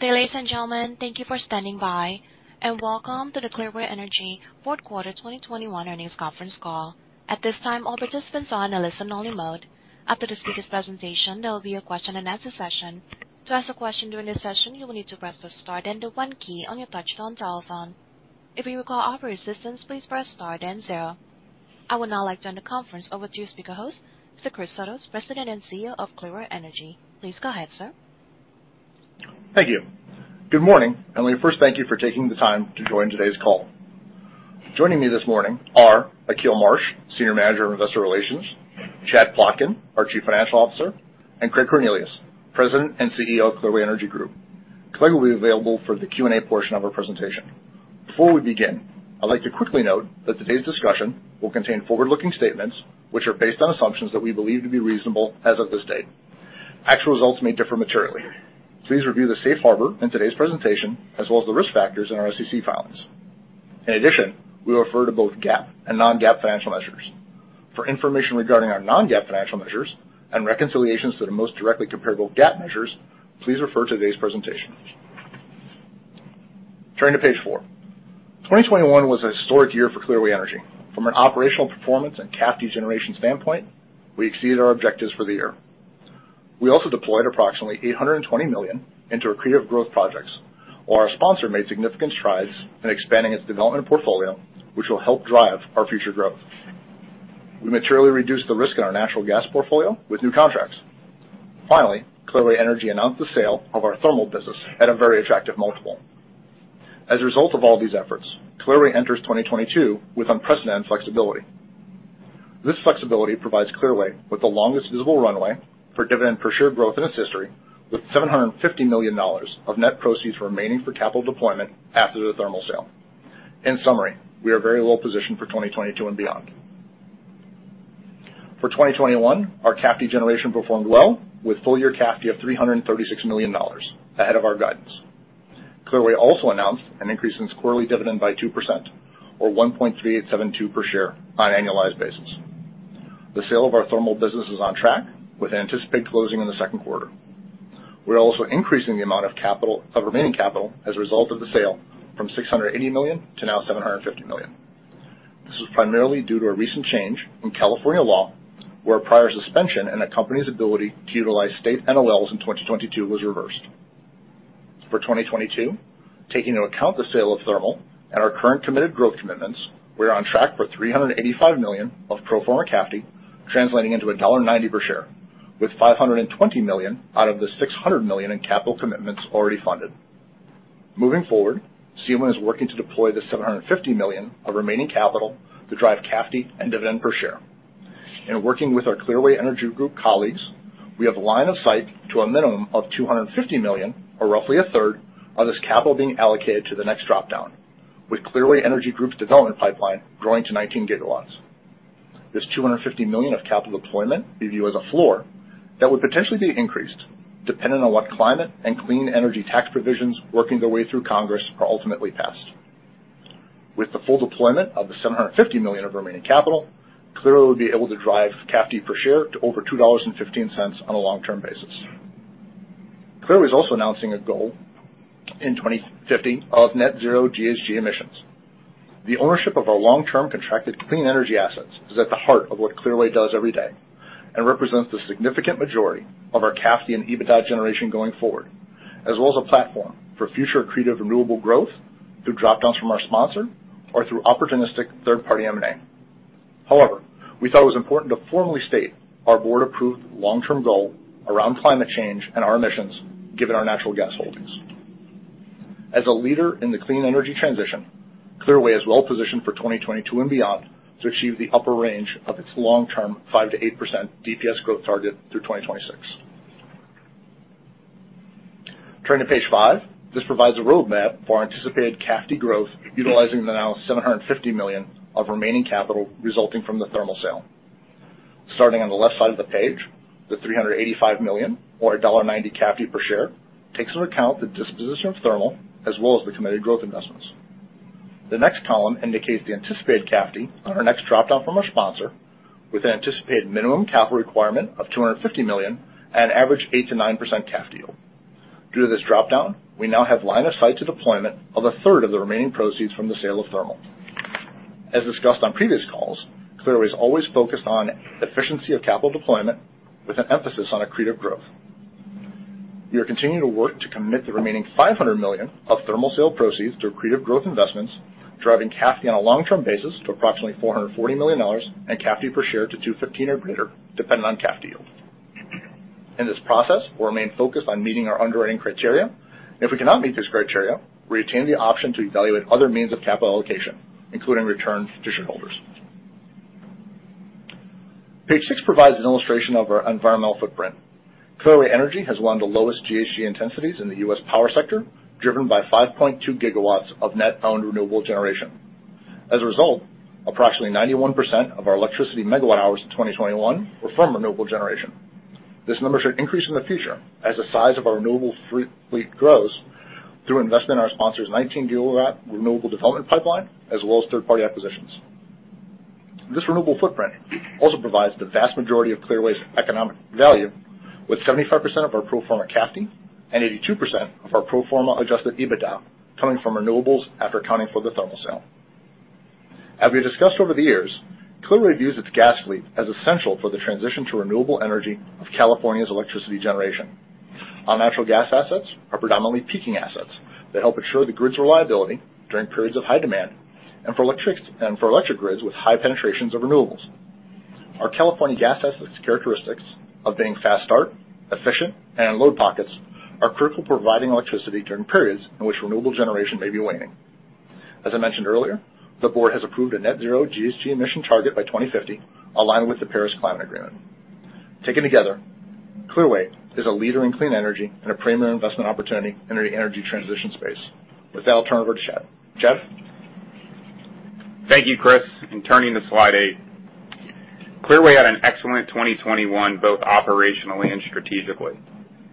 Good day, ladies and gentlemen. Thank you for standing by, and welcome to the Clearway Energy third quarter 2021 earnings conference call. At this time, all participants are in a listen-only mode. After the speaker's presentation, there will be a question-and-answer session. To ask a question during this session, you will need to press the star then the one key on your touchtone telephone. If you require operator assistance, please press star then zero. I would now like to hand the conference over to your speaker host, Mr. Chris Sotos, President and CEO of Clearway Energy. Please go ahead, sir. Thank you. Good morning, and let me first thank you for taking the time to join today's call. Joining me this morning are Akil Marsh, Senior Manager of Investor Relations, Chad Plotkin, our Chief Financial Officer, and Craig Cornelius, President and CEO of Clearway Energy Group. Craig will be available for the Q&A portion of our presentation. Before we begin, I'd like to quickly note that today's discussion will contain forward-looking statements, which are based on assumptions that we believe to be reasonable as of this date. Actual results may differ materially. Please review the Safe Harbor in today's presentation, as well as the risk factors in our SEC filings. In addition, we refer to both GAAP and non-GAAP financial measures. For information regarding our non-GAAP financial measures and reconciliations to the most directly comparable GAAP measures, please refer to today's presentation. Turning to page four. 2021 was a historic year for Clearway Energy. From an operational performance and CAFD generation standpoint, we exceeded our objectives for the year. We also deployed approximately $820 million into accretive growth projects, while our sponsor made significant strides in expanding its development portfolio, which will help drive our future growth. We materially reduced the risk in our natural gas portfolio with new contracts. Finally, Clearway Energy announced the sale of our thermal business at a very attractive multiple. As a result of all these efforts, Clearway enters 2022 with unprecedented flexibility. This flexibility provides Clearway with the longest visible runway for dividend per share growth in its history, with $750 million of net proceeds remaining for capital deployment after the thermal sale. In summary, we are very well-positioned for 2022 and beyond. For 2021, our CAFD generation performed well, with full-year CAFD of $336 million, ahead of our guidance. Clearway also announced an increase in its quarterly dividend by 2% or $1.3872 per share on an annualized basis. The sale of our thermal business is on track, with anticipated closing in the second quarter. We're also increasing the amount of remaining capital as a result of the sale from $680 million to now $750 million. This is primarily due to a recent change in California law, where a prior suspension in a company's ability to utilize state NOLs in 2022 was reversed. For 2022, taking into account the sale of thermal and our current committed growth commitments, we are on track for $385 million of pro forma CAFD, translating into $1.90 per share, with $520 million out of the $600 million in capital commitments already funded. Moving forward, CEG is working to deploy the $750 million of remaining capital to drive CAFD and dividend per share. In working with our Clearway Energy Group colleagues, we have line of sight to a minimum of $250 million, or roughly a third, of this capital being allocated to the next dropdown, with Clearway Energy Group's development pipeline growing to 19 GW. This $250 million of capital deployment we view as a floor that would potentially be increased depending on what climate and clean energy tax provisions working their way through Congress are ultimately passed. With the full deployment of the $750 million of remaining capital, Clearway will be able to drive CAFD per share to over $2.15 on a long-term basis. Clearway is also announcing a goal in 2050 of net zero GHG emissions. The ownership of our long-term contracted clean energy assets is at the heart of what Clearway does every day and represents the significant majority of our CAFD and EBITDA generation going forward, as well as a platform for future accretive renewable growth through dropdowns from our sponsor or through opportunistic third-party M&A. However, we thought it was important to formally state our board-approved long-term goal around climate change and our emissions, given our natural gas holdings. As a leader in the clean energy transition, Clearway is well positioned for 2022 and beyond to achieve the upper range of its long-term 5%-8% DPS growth target through 2026. Turning to page five. This provides a roadmap for our anticipated CAFD growth utilizing the now $750 million of remaining capital resulting from the thermal sale. Starting on the left side of the page, the $385 million or $1.90 CAFD per share takes into account the disposition of thermal as well as the committed growth investments. The next column indicates the anticipated CAFD on our next dropdown from our sponsor with an anticipated minimum capital requirement of $250 million at an average 8%-9% CAFD yield. Due to this dropdown, we now have line of sight to deployment of a third of the remaining proceeds from the sale of thermal. As discussed on previous calls, Clearway is always focused on efficiency of capital deployment with an emphasis on accretive growth. We are continuing to work to commit the remaining $500 million of thermal sale proceeds to accretive growth investments, driving CAFD on a long-term basis to approximately $440 million and CAFD per share to $2.15 or greater, depending on CAFD yield. In this process, we'll remain focused on meeting our underwriting criteria. If we cannot meet this criteria, we retain the option to evaluate other means of capital allocation, including return to shareholders. Page six provides an illustration of our environmental footprint. Clearway Energy has one of the lowest GHG intensities in the U.S. power sector, driven by 5.2 GW of net-owned renewable generation. As a result, approximately 91% of our electricity megawatt-hours in 2021 were from renewable generation. This number should increase in the future as the size of our renewable fleet grows through investment in our sponsor's 19 GW renewable development pipeline, as well as third-party acquisitions. This renewable footprint also provides the vast majority of Clearway's economic value, with 75% of our pro forma CAFD and 82% of our pro forma adjusted EBITDA coming from renewables after accounting for the thermal sale. As we discussed over the years, Clearway views its gas fleet as essential for the transition to renewable energy of California's electricity generation. Our natural gas assets are predominantly peaking assets that help ensure the grid's reliability during periods of high demand and for electric grids with high penetrations of renewables. Our California gas assets characteristics of being fast start, efficient, and load pockets are critical providing electricity during periods in which renewable generation may be waning. As I mentioned earlier, the board has approved a net zero GHG emission target by 2050, aligned with the Paris Climate Agreement. Taken together, Clearway is a leader in clean energy and a premium investment opportunity in the energy transition space. With that, I'll turn it over to Chad. Chad? Thank you, Chris. Turning to slide eight. Clearway had an excellent 2021, both operationally and strategically.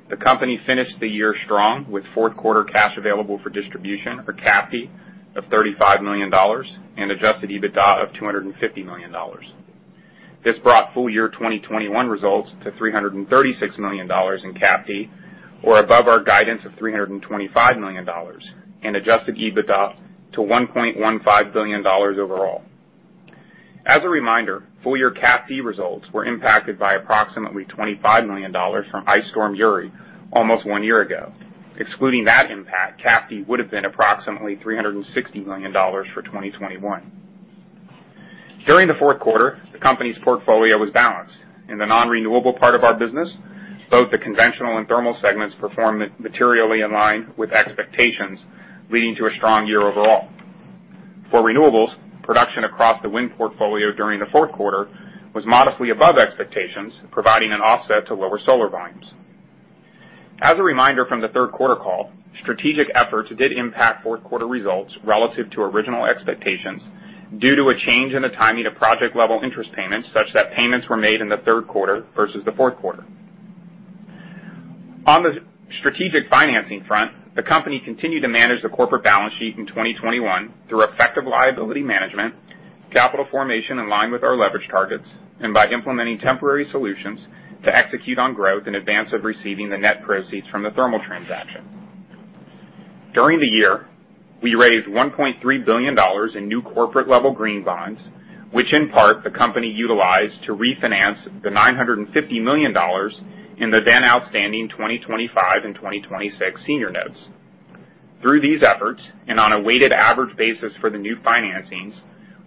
The company finished the year strong with fourth quarter cash available for distribution, or CAFD, of $35 million and adjusted EBITDA of $250 million. This brought full year 2021 results to $336 million in CAFD, or above our guidance of $325 million, and adjusted EBITDA to $1.15 billion overall. As a reminder, full year CAFD results were impacted by approximately $25 million from Winter Storm Uri almost one year ago. Excluding that impact, CAFD would have been approximately $360 million for 2021. During the fourth quarter, the company's portfolio was balanced. In the non-renewable part of our business, both the conventional and thermal segments performed materially in line with expectations, leading to a strong year overall. For renewables, production across the wind portfolio during the fourth quarter was modestly above expectations, providing an offset to lower solar volumes. As a reminder from the third quarter call, strategic efforts did impact fourth quarter results relative to original expectations due to a change in the timing of project-level interest payments, such that payments were made in the third quarter versus the fourth quarter. On the strategic financing front, the company continued to manage the corporate balance sheet in 2021 through effective liability management, capital formation in line with our leverage targets, and by implementing temporary solutions to execute on growth in advance of receiving the net proceeds from the thermal transaction. During the year, we raised $1.3 billion in new corporate-level green bonds, which in part, the company utilized to refinance the $950 million in the then outstanding 2025 and 2026 senior notes. Through these efforts, and on a weighted average basis for the new financings,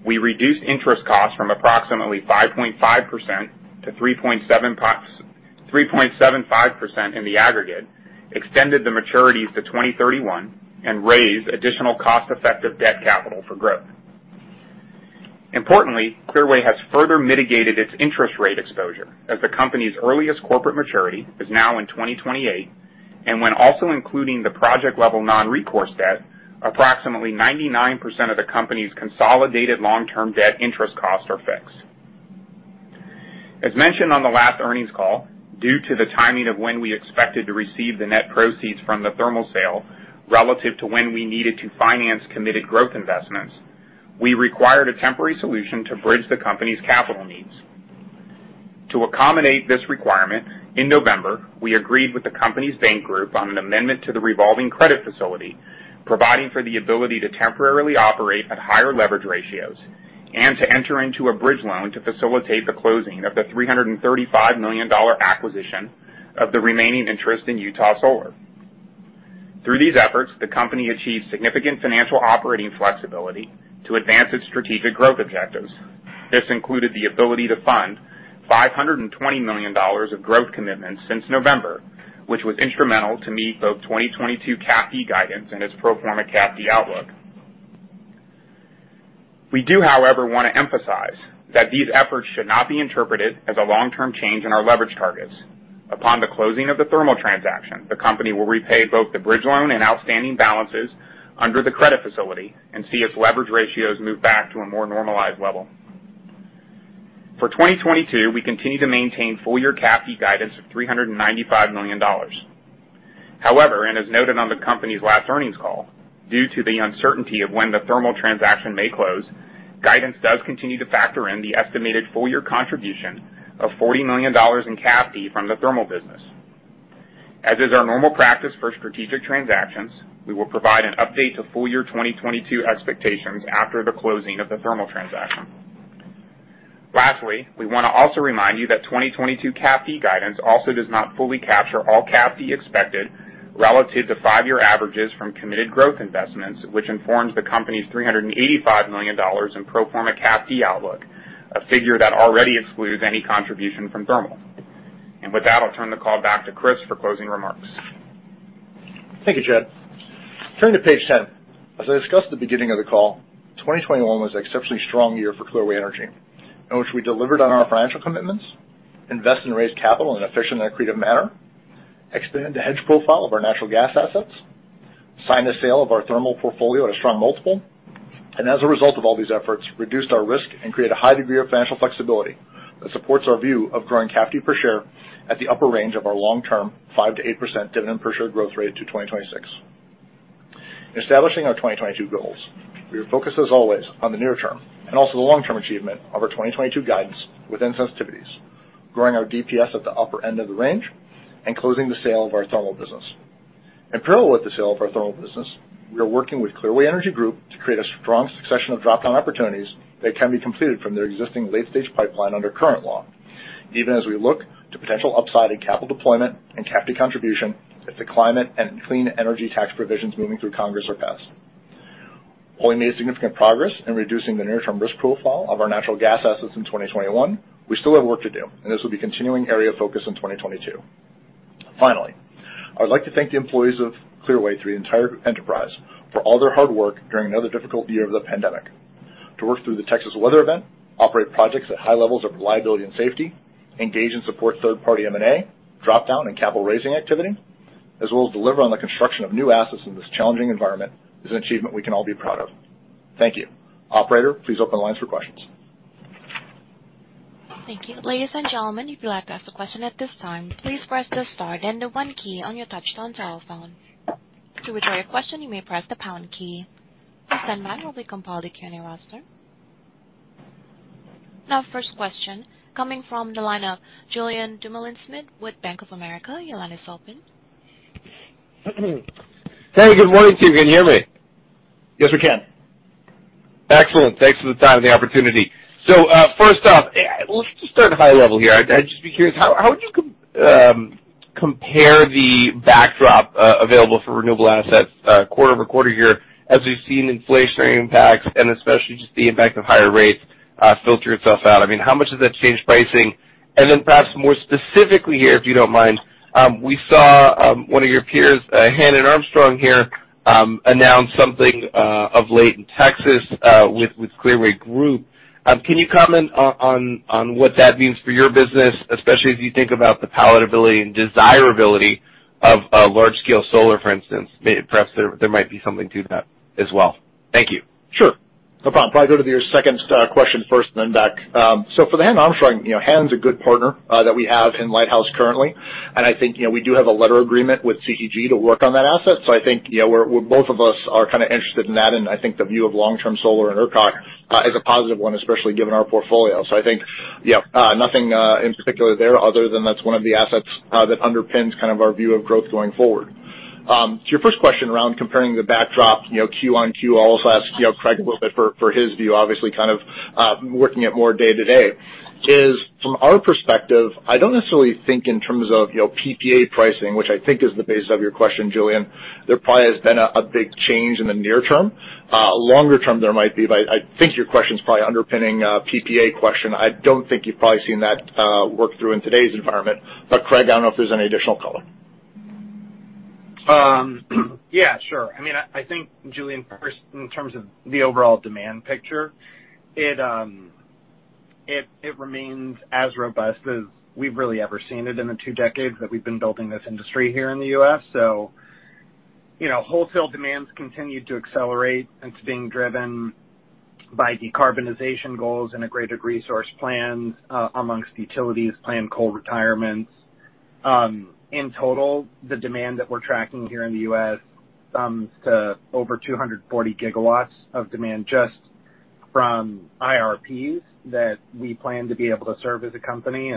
we reduced interest costs from approximately 5.5% to 3.75% in the aggregate, extended the maturities to 2031, and raised additional cost-effective debt capital for growth. Importantly, Clearway has further mitigated its interest rate exposure, as the company's earliest corporate maturity is now in 2028, and when also including the project-level non-recourse debt, approximately 99% of the company's consolidated long-term debt interest costs are fixed. As mentioned on the last earnings call, due to the timing of when we expected to receive the net proceeds from the thermal sale relative to when we needed to finance committed growth investments, we required a temporary solution to bridge the company's capital needs. To accommodate this requirement, in November, we agreed with the company's bank group on an amendment to the revolving credit facility, providing for the ability to temporarily operate at higher leverage ratios and to enter into a bridge loan to facilitate the closing of the $335 million acquisition of the remaining interest in Utah Solar. Through these efforts, the company achieved significant financial operating flexibility to advance its strategic growth objectives. This included the ability to fund $520 million of growth commitments since November, which was instrumental to meet both 2022 CAFD guidance and its pro forma CAFD outlook. We do, however, wanna emphasize that these efforts should not be interpreted as a long-term change in our leverage targets. Upon the closing of the thermal transaction, the company will repay both the bridge loan and outstanding balances under the credit facility and see its leverage ratios move back to a more normalized level. For 2022, we continue to maintain full-year CAFD guidance of $395 million. However, and as noted on the company's last earnings call, due to the uncertainty of when the thermal transaction may close, guidance does continue to factor in the estimated full-year contribution of $40 million in CAFD from the thermal business. As is our normal practice for strategic transactions, we will provide an update to full year 2022 expectations after the closing of the thermal transaction. Lastly, we wanna also remind you that 2022 CAFD guidance also does not fully capture all CAFD expected relative to five-year averages from committed growth investments, which informs the company's $385 million in pro forma CAFD outlook, a figure that already excludes any contribution from thermal. With that, I'll turn the call back to Chris for closing remarks. Thank you, Chad. Turning to page 10. As I discussed at the beginning of the call, 2021 was an exceptionally strong year for Clearway Energy, in which we delivered on our financial commitments, invest and raise capital in an efficient and accretive manner, expand the hedge profile of our natural gas assets, sign the sale of our thermal portfolio at a strong multiple, and as a result of all these efforts, reduced our risk and create a high degree of financial flexibility that supports our view of growing CAFD per share at the upper range of our long-term 5%-8% dividend per share growth rate through 2026. In establishing our 2022 goals, we are focused as always on the near term and also the long-term achievement of our 2022 guidance within sensitivities, growing our DPS at the upper end of the range and closing the sale of our thermal business. In parallel with the sale of our thermal business, we are working with Clearway Energy Group to create a strong succession of drop-down opportunities that can be completed from their existing late-stage pipeline under current law, even as we look to potential upside in capital deployment and cap to contribution if the climate and clean energy tax provisions moving through Congress are passed. While we made significant progress in reducing the near-term risk profile of our natural gas assets in 2021, we still have work to do, and this will be a continuing area of focus in 2022. Finally, I would like to thank the employees of Clearway through the entire enterprise for all their hard work during another difficult year of the pandemic. To work through the Texas weather event, operate projects at high levels of reliability and safety, engage and support third-party M&A, drop-down and capital raising activity, as well as deliver on the construction of new assets in this challenging environment is an achievement we can all be proud of. Thank you. Operator, please open the lines for questions. Thank you. Ladies and gentlemen, if you'd like to ask a question at this time, please press the star then the one key on your touchtone telephone. To withdraw your question, you may press the pound key. Please stand by and we'll compile the Q&A roster. Now, first question coming from the line of Julien Dumoulin-Smith with Bank of America. Your line is open. Hey, good morning to you. Can you hear me? Yes, we can. Excellent. Thanks for the time and the opportunity. First off, let's just start at a high level here. I'd just be curious, how would you compare the backdrop available for renewable assets quarter-over-quarter here as we've seen inflationary impacts and especially just the impact of higher rates filter itself out? I mean, how much does that change pricing? Perhaps more specifically here, if you don't mind, we saw one of your peers, Hannon Armstrong here, announce something of late in Texas, with Clearway Energy Group. Can you comment on what that means for your business, especially as you think about the palatability and desirability of large-scale solar, for instance? Perhaps there might be something to that as well. Thank you. Sure. No problem. Probably go to your second question first and then back. So for the Hannon Armstrong, you know, Hannon's a good partner that we have in Lighthouse currently. I think, you know, we do have a letter agreement with CEG to work on that asset. I think, you know, we're both of us are kind of interested in that. I think the view of long-term solar and ERCOT is a positive one, especially given our portfolio. I think, yeah, nothing in particular there other than that's one of the assets that underpins kind of our view of growth going forward. To your first question around comparing the backdrop, you know, Q-on-Q, I'll also ask, you know, Craig a little bit for his view, obviously kind of working it more day-to-day. It's from our perspective. I don't necessarily think in terms of, you know, PPA pricing, which I think is the base of your question, Julien. There probably has been a big change in the near term. Longer term, there might be, but I think your question is probably underpinning a PPA question. I don't think you've probably seen that work through in today's environment. Craig, I don't know if there's any additional color. Yeah, sure. I mean, I think, Julien, first, in terms of the overall demand picture, it remains as robust as we've really ever seen it in the two decades that we've been building this industry here in the U.S. You know, wholesale demands continue to accelerate. It's being driven by decarbonization goals and a greater resource plan among utilities, planned coal retirements. In total, the demand that we're tracking here in the U.S. sums to over 240 GW of demand just from IRPs that we plan to be able to serve as a company.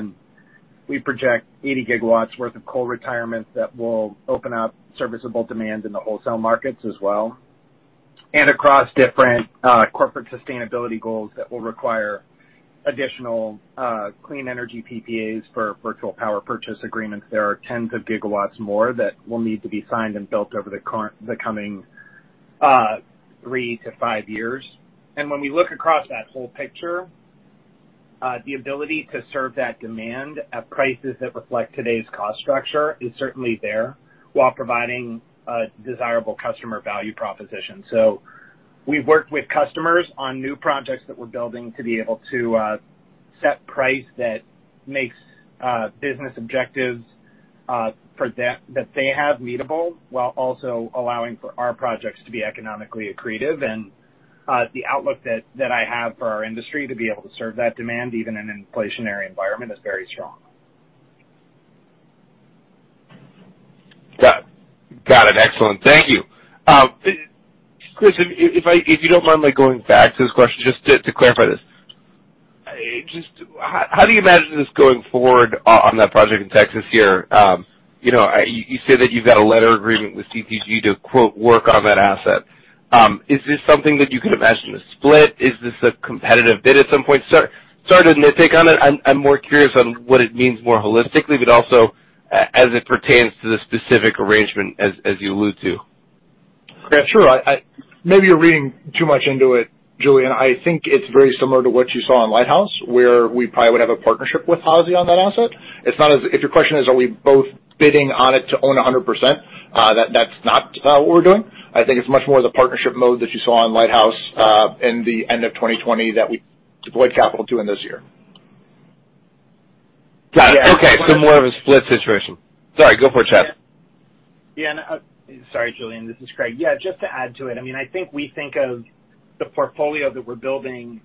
We project 80 GW worth of coal retirements that will open up serviceable demand in the wholesale markets as well. Across different corporate sustainability goals that will require additional clean energy PPAs for virtual power purchase agreements. There are tens of gigawatts more that will need to be signed and built over the coming three to five years. When we look across that whole picture, the ability to serve that demand at prices that reflect today's cost structure is certainly there while providing a desirable customer value proposition. We've worked with customers on new projects that we're building to be able to set price that makes business objectives for them that they have meetable while also allowing for our projects to be economically accretive. The outlook that I have for our industry to be able to serve that demand, even in an inflationary environment, is very strong. Got it. Excellent. Thank you. Chris, if you don't mind me going back to this question just to clarify this. Just how do you imagine this going forward on that project in Texas here? You know, you say that you've got a letter agreement with CEG to quote work on that asset. Is this something that you could imagine a split? Is this a competitive bid at some point? Sorry to nitpick on it. I'm more curious on what it means more holistically, but also as it pertains to the specific arrangement as you allude to. Yeah, sure. Maybe you're reading too much into it, Julien. I think it's very similar to what you saw in Lighthouse, where we probably would have a partnership with Hannon on that asset. It's not. If your question is, are we both bidding on it to own 100%, that's not what we're doing. I think it's much more the partnership mode that you saw on Lighthouse in the end of 2020 that we deployed capital to in this year. Got it. Okay. More of a split situation. Sorry. Go for it, Chad. Yeah. Sorry, Julien, this is Craig. Yeah, just to add to it, I mean, I think we think of the portfolio that we're building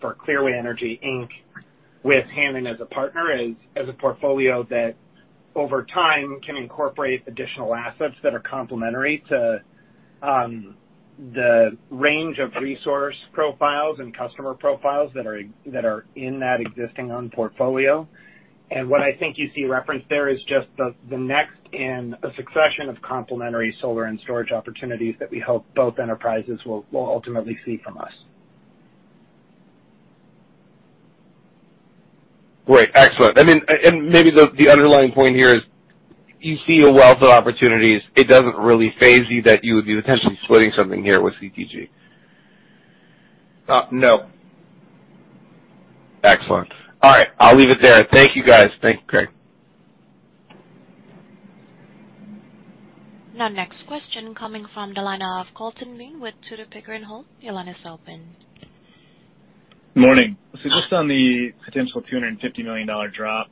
for Clearway Energy, Inc. with Hannon as a partner, as a portfolio that over time can incorporate additional assets that are complementary to the range of resource profiles and customer profiles that are in that existing owned portfolio. What I think you see referenced there is just the next in a succession of complementary solar and storage opportunities that we hope both enterprises will ultimately see from us. Great. Excellent. I mean, and maybe the underlying point here is you see a wealth of opportunities. It doesn't really faze you that you would be potentially splitting something here with CEG. No. Excellent. All right, I'll leave it there. Thank you, guys. Thank you, Craig. Now, next question coming from the line of Colton Bean with Tudor Pickering Holt. Your line is open. Morning. Just on the potential $250 million drop,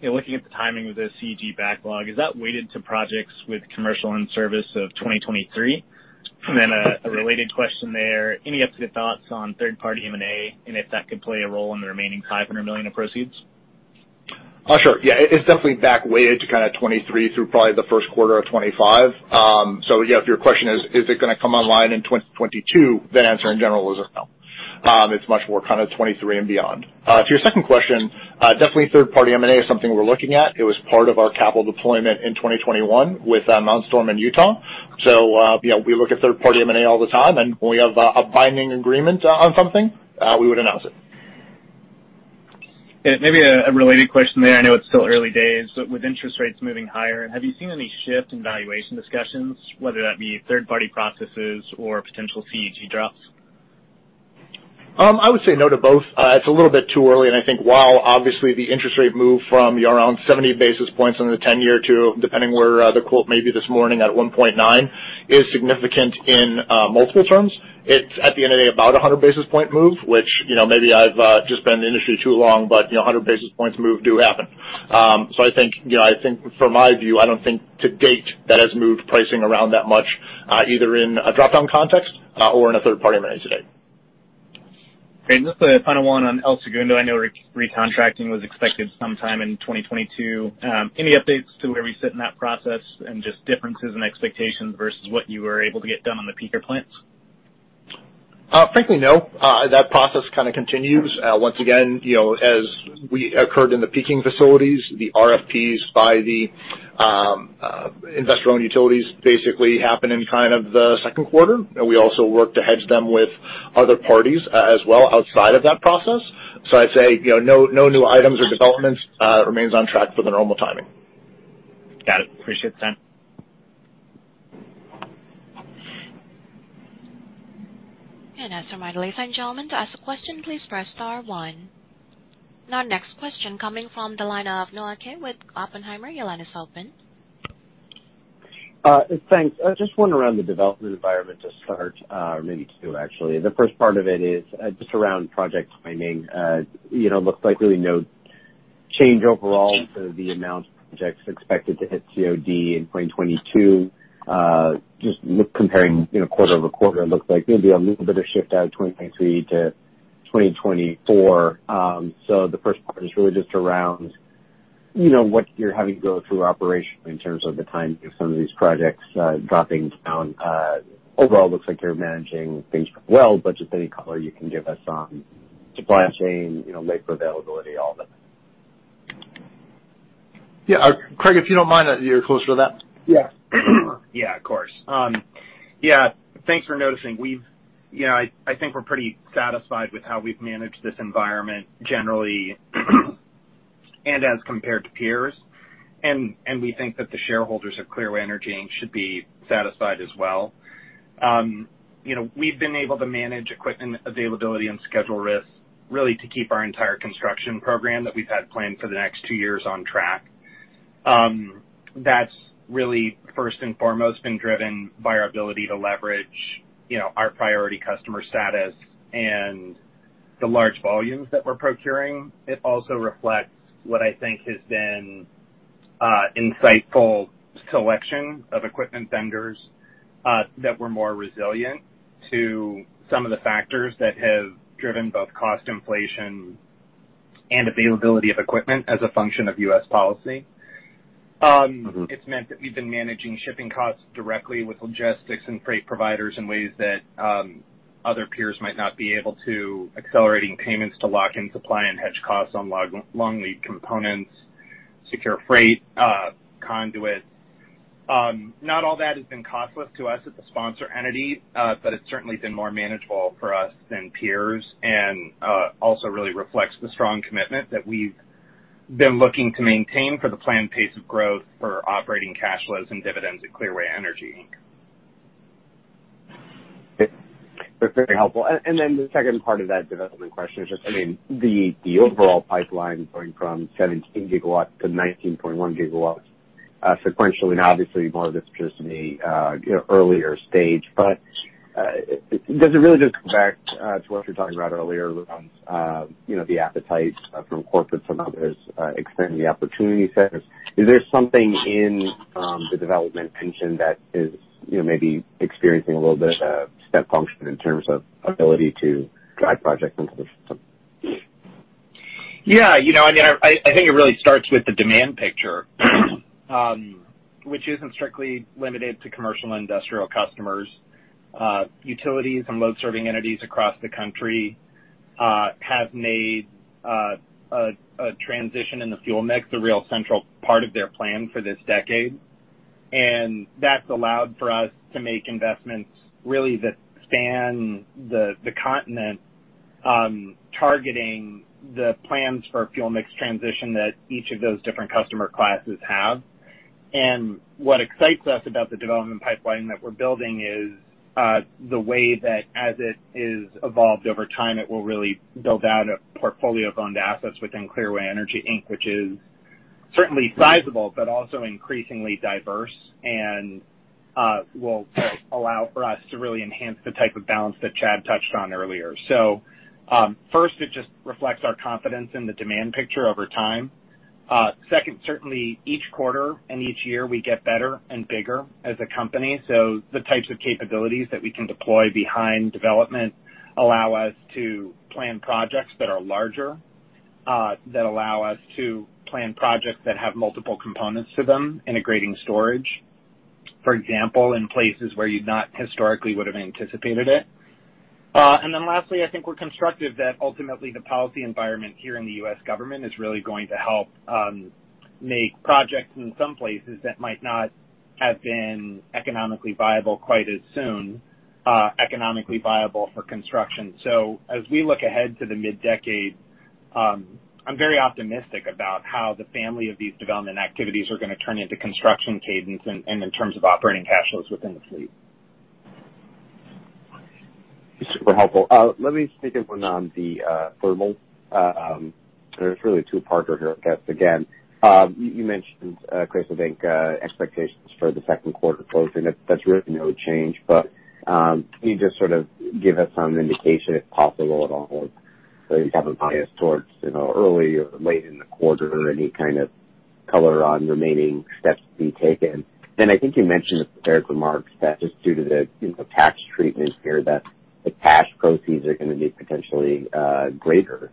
you know, looking at the timing of the CEG backlog, is that weighted to projects with commercial in service of 2023? A related question there, any updated thoughts on third-party M&A and if that could play a role in the remaining $500 million of proceeds? Sure. Yeah, it's definitely back weighted to kind of 2023 through probably the first quarter of 2025. So yeah, if your question is it gonna come online in 2022, the answer in general is no. It's much more kind of 2023 and beyond. To your second question, definitely third-party M&A is something we're looking at. It was part of our capital deployment in 2021 with Mt. Storm in Utah. You know, we look at third-party M&A all the time, and when we have a binding agreement on something, we would announce it. Maybe a related question there. I know it's still early days, but with interest rates moving higher, have you seen any shift in valuation discussions, whether that be third party processes or potential CEG drops? I would say no to both. It's a little bit too early, and I think while obviously the interest rate moved from around 70 basis points in the 10-year to, depending where the quote may be this morning, at 1.9 is significant in multiple terms. It's at the end of the day about a 100 basis point move, which, you know, maybe I've just been in the industry too long. You know, a 100 basis points move do happen. You know, from my view, I don't think to date that has moved pricing around that much, either in a dropdown context, or in a third party M&A to date. Just a final one on El Segundo. I know recontracting was expected sometime in 2022. Any updates to where we sit in that process and just differences in expectations versus what you were able to get done on the peaker plants? Frankly, no. That process kinda continues. Once again, you know, as we covered in the peaking facilities, the RFPs by the investor-owned utilities basically happen in kind of the second quarter. We also work to hedge them with other parties as well outside of that process. I'd say, you know, no new items or developments remains on track for the normal timing. Got it. Appreciate the time. As a reminder, ladies and gentlemen, to ask a question, please press star one. Our next question coming from the line of Noah Kaye with Oppenheimer. Your line is open. Thanks. Just one around the development environment to start, or maybe two actually. The first part of it is just around project timing. You know, looks like really no change overall to the amount of projects expected to hit COD in 2022. Just look comparing, you know, quarter-over-quarter, it looks like maybe a little bit of shift out of 2023 to 2024. So the first part is really just around, you know, what you're having to go through operationally in terms of the timing of some of these projects dropping down. Overall, looks like you're managing things well, but just any color you can give us on supply chain, you know, labor availability, all that. Yeah. Craig, if you don't mind, you're closer to that. Yeah. Yeah, of course. Yeah, thanks for noticing. You know, I think we're pretty satisfied with how we've managed this environment generally and as compared to peers. We think that the shareholders of Clearway Energy, Inc. should be satisfied as well. You know, we've been able to manage equipment availability and schedule risks really to keep our entire construction program that we've had planned for the next two years on track. That's really first and foremost been driven by our ability to leverage, you know, our priority customer status and the large volumes that we're procuring. It also reflects what I think has been insightful selection of equipment vendors that were more resilient to some of the factors that have driven both cost inflation and availability of equipment as a function of U.S. policy. Mm-hmm. It's meant that we've been managing shipping costs directly with logistics and freight providers in ways that, other peers might not be able to, accelerating payments to lock in supply and hedge costs on long-lead components, secure freight, conduit. Not all that has been costless to us as a sponsor entity, but it's certainly been more manageable for us than peers and, also really reflects the strong commitment that we've been looking to maintain for the planned pace of growth for operating cash flows and dividends at Clearway Energy, Inc. That's very helpful. Then the second part of that development question is just, I mean, the overall pipeline going from 17 GW to 19.1 GW sequentially and obviously more of this just in the, you know, earlier stage. Does it really just come back to what you were talking about earlier around, you know, the appetite from corporates and others extending the opportunity set? Is there something in the development engine that is, you know, maybe experiencing a little bit of a step function in terms of ability to drive projects into construction? Yeah. You know, I mean, I think it really starts with the demand picture, which isn't strictly limited to commercial and industrial customers. Utilities and load-serving entities across the country have made a transition in the fuel mix a real central part of their plan for this decade. That's allowed for us to make investments really that span the continent, targeting the plans for a fuel mix transition that each of those different customer classes have. What excites us about the development pipeline that we're building is the way that as it is evolved over time, it will really build out a portfolio of owned assets within Clearway Energy, Inc. Which is certainly sizable, but also increasingly diverse and will allow for us to really enhance the type of balance that Chad touched on earlier. First, it just reflects our confidence in the demand picture over time. Second, certainly each quarter and each year we get better and bigger as a company. The types of capabilities that we can deploy behind development allow us to plan larger projects that have multiple components to them, integrating storage, for example, in places where one not historically would have anticipated it. Then lastly, I think we're constructive that ultimately the policy environment here in the U.S. government is really going to help make projects in some places that might not have been economically viable quite as soon economically viable for construction. As we look ahead to the mid-decade, I'm very optimistic about how the family of these development activities are gonna turn into construction cadence and in terms of operating cash flows within the fleet. Super helpful. Let me take it one on the thermal. There's really two-parter here, I guess, again. You mentioned Crescent Bank expectations for the second quarter close, and that's really no change. Can you just sort of give us some indication, if possible at all, if you have a bias towards, you know, early or late in the quarter? Any kind of color on remaining steps to be taken? I think you mentioned in prepared remarks that just due to the, you know, tax treatment here, that the cash proceeds are gonna be potentially greater.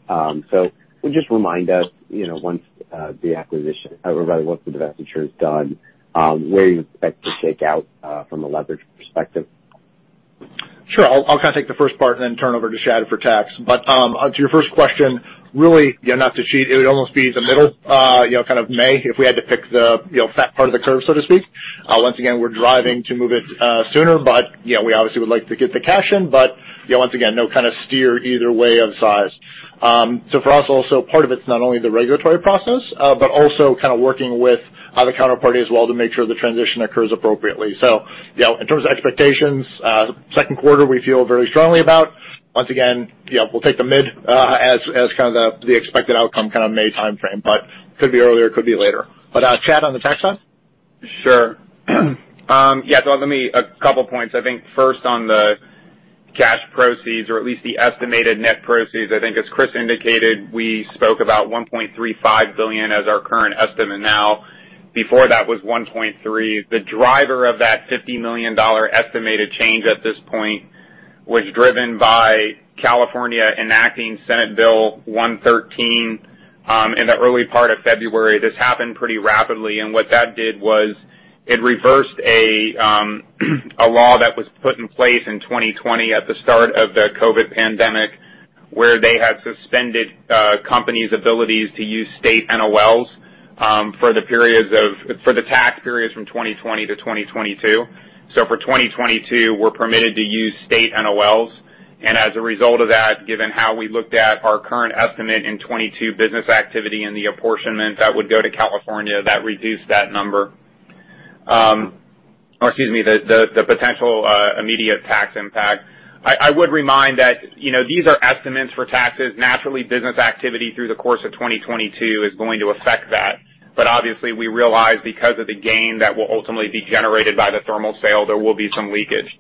Just remind us, you know, once the acquisition or rather once the divestiture is done, where you expect to shake out from a leverage perspective. Sure. I'll kind of take the first part and then turn over to Chad for tax. To your first question, really, you know, not to cheat, it would almost be the middle, you know, kind of May, if we had to pick the, you know, fat part of the curve, so to speak. Once again, we're driving to move it sooner. You know, we obviously would like to get the cash in, but once again, no kind of steer either way of size. For us also part of it's not only the regulatory process, but also kind of working with other counterparties well to make sure the transition occurs appropriately. You know, in terms of expectations, second quarter, we feel very strongly about. Once again, you know, we'll take the mid as kind of the expected outcome kind of May timeframe, but could be earlier, could be later. Chad, on the tax side? Sure. Yeah. A couple points. I think first on the cash proceeds or at least the estimated net proceeds. I think as Chris indicated, we spoke about $1.35 billion as our current estimate now. Before that was $1.3 billion. The driver of that $50 million estimated change at this point was driven by California enacting Senate Bill 113 in the early part of February. This happened pretty rapidly, and what that did was it reversed a law that was put in place in 2020 at the start of the COVID pandemic, where they had suspended companies' abilities to use state NOLs for the tax periods from 2020 to 2022. For 2022, we're permitted to use state NOLs. As a result of that, given how we looked at our current estimate in 2022 business activity and the apportionment that would go to California, that reduced that number. Excuse me, the potential immediate tax impact. I would remind that, you know, these are estimates for taxes. Naturally, business activity through the course of 2022 is going to affect that. Obviously we realize because of the gain that will ultimately be generated by the thermal sale, there will be some leakage.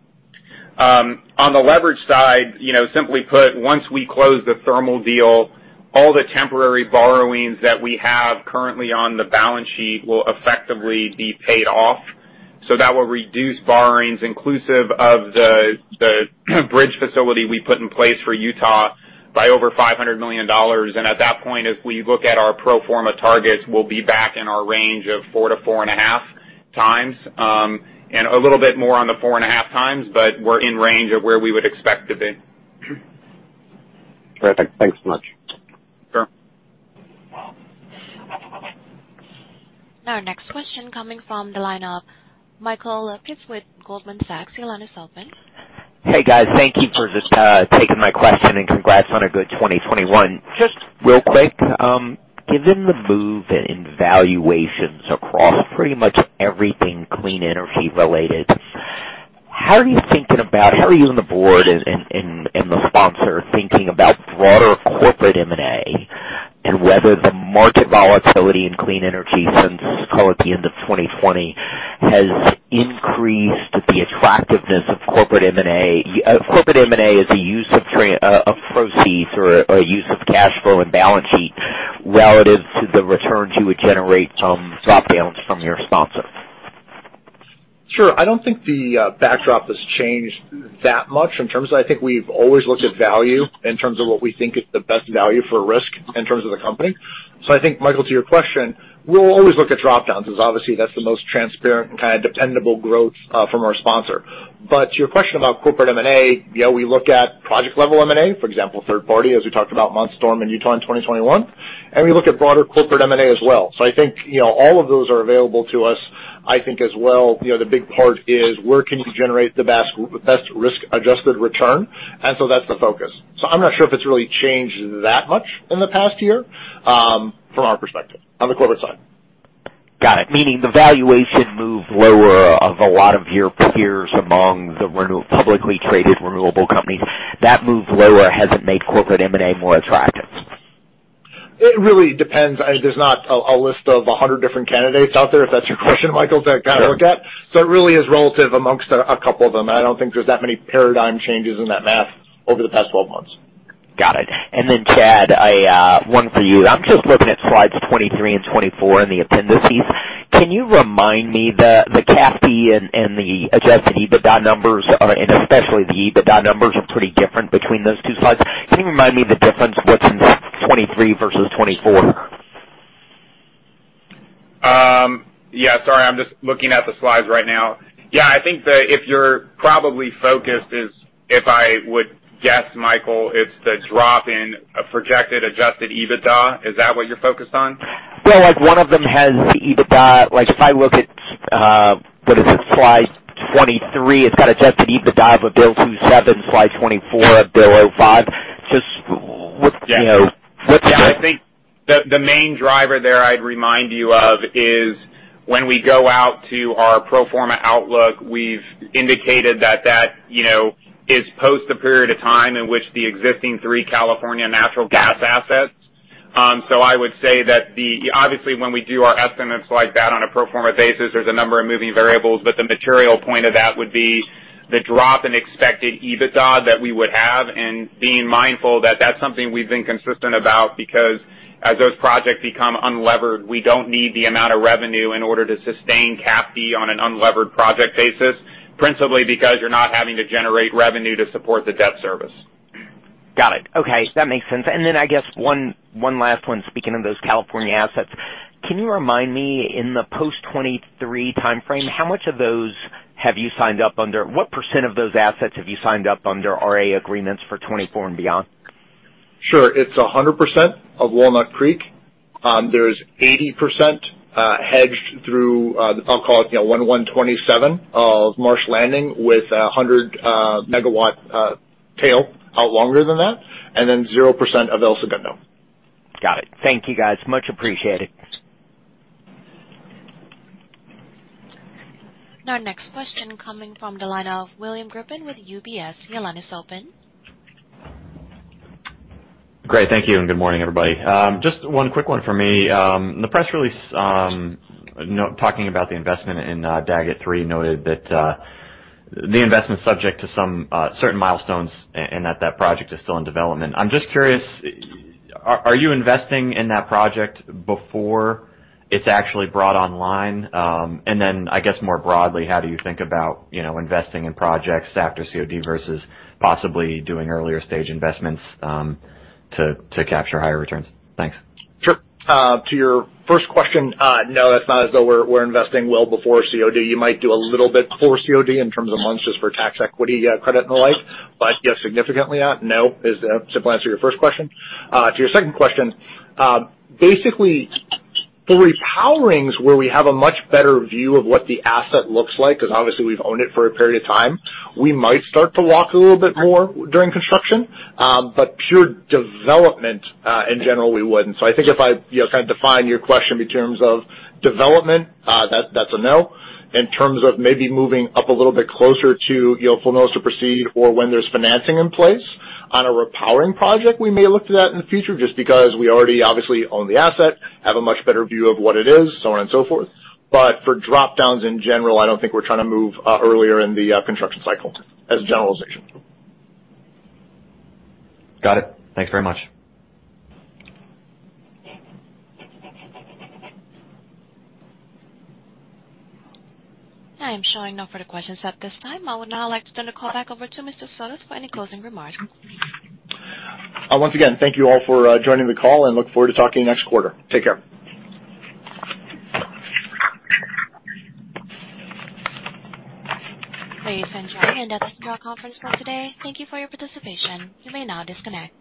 On the leverage side, you know, simply put, once we close the thermal deal, all the temporary borrowings that we have currently on the balance sheet will effectively be paid off. That will reduce borrowings inclusive of the bridge facility we put in place for Utah by over $500 million. At that point, as we look at our pro forma targets, we'll be back in our range of 4-4.5x, and a little bit more on the 4.5x, but we're in range of where we would expect to be. Terrific. Thanks so much. Sure. Our next question coming from the line of Michael Lapides with Goldman Sachs. Your line is open. Hey, guys. Thank you for taking my question and congrats on a good 2021. Just real quick, given the move in valuations across pretty much everything clean energy related, how are you on the board and the sponsor thinking about broader corporate M&A and whether the market volatility in clean energy since, call it the end of 2020, has increased the attractiveness of corporate M&A? Corporate M&A as a use of proceeds or a use of cash flow and balance sheet relative to the returns you would generate from drop-downs from your sponsor? Sure. I don't think the backdrop has changed that much in terms of I think we've always looked at value in terms of what we think is the best value for risk in terms of the company. I think, Michael, to your question, we'll always look at drop-downs because obviously that's the most transparent kind of dependable growth from our sponsor. To your question about corporate M&A, you know, we look at project-level M&A, for example, third party, as we talked about Mt. Storm and Utah in 2021, and we look at broader corporate M&A as well. I think, you know, all of those are available to us. I think as well, you know, the big part is where can we generate the best risk-adjusted return? That's the focus. I'm not sure if it's really changed that much in the past year, from our perspective on the corporate side. Got it. Meaning the valuation moved lower for a lot of your peers among the publicly traded renewable companies, that move lower hasn't made corporate M&A more attractive. It really depends. There's not a list of 100 different candidates out there, if that's your question, Michael, to kind of look at. It really is relative among a couple of them. I don't think there's that many paradigm changes in that math over the past 12 months. Got it. Chad, one for you. I'm just looking at slides 23 and 24 in the appendices. Can you remind me the CAFD and the adjusted EBITDA numbers are, and especially the EBITDA numbers are pretty different between those two slides. Can you remind me the difference, what's in 23 versus 24? Yeah, sorry, I'm just looking at the slides right now. Yeah, I think if you're probably focused is, if I would guess, Michael, it's the drop in a projected adjusted EBITDA. Is that what you're focused on? Well, like one of them has the EBITDA. Like, if I look at, what is it? Slide 23, it's got adjusted EBITDA of $1.27 billion, slide 24 of $1.05 billion. Just what's, you know, what's the- Yeah. I think the main driver there I'd remind you of is when we go out to our pro forma outlook, we've indicated that, you know, is post a period of time in which the existing three California natural gas assets. I would say that obviously when we do our estimates like that on a pro forma basis, there's a number of moving variables, but the material point of that would be the drop in expected EBITDA that we would have and being mindful that that's something we've been consistent about because as those projects become unlevered, we don't need the amount of revenue in order to sustain CAFD on an unlevered project basis, principally because you're not having to generate revenue to support the debt service. Got it. Okay, that makes sense. I guess one last one, speaking of those California assets. Can you remind me in the post-2023 timeframe, what percent of those assets have you signed up under RA agreements for 2024 and beyond? Sure. It's 100% of Walnut Creek. There's 80% hedged through, I'll call it, you know, 1/1/2027 of Marsh Landing with a 100100 MW tail out longer than that, and then 0% of El Segundo. Got it. Thank you, guys. Much appreciated. Our next question coming from the line of William Grippin with UBS. Your line is open. Great. Thank you, and good morning, everybody. Just one quick one for me. The press release talking about the investment in Daggett 3 noted that the investment subject to some certain milestones and that project is still in development. I'm just curious, are you investing in that project before it's actually brought online? I guess more broadly, how do you think about, you know, investing in projects after COD versus possibly doing earlier stage investments, to capture higher returns? Thanks. Sure. To your first question, no, it's not as though we're investing well before COD. You might do a little bit before COD in terms of months just for tax equity, credit and the like. But yes, significantly, no is the simple answer to your first question. To your second question, basically for repowerings where we have a much better view of what the asset looks like, because obviously we've owned it for a period of time, we might start to walk a little bit more during construction. But pure development, in general, we wouldn't. I think if I, you know, kind of define your question in terms of development, that's a no. In terms of maybe moving up a little bit closer to, you know, full notice to proceed or when there's financing in place on a repowering project, we may look to that in the future just because we already obviously own the asset, have a much better view of what it is, so on and so forth. For drop-downs in general, I don't think we're trying to move earlier in the construction cycle as a generalization. Got it. Thanks very much. I am showing no further questions at this time. I would now like to turn the call back over to Mr. Sotos for any closing remarks. Once again, thank you all for joining the call and look forward to talking to you next quarter. Take care. That does end our conference call today. Thank you for your participation. You may now disconnect.